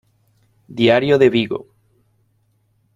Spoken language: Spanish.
Diario de Vigo".